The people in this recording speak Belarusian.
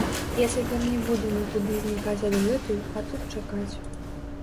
Я цяпер не буду нікуды знікаць адгэтуль, а тут чакаць.